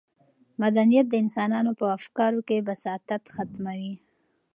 مدنیت د انسانانو په افکارو کې بساطت ختموي.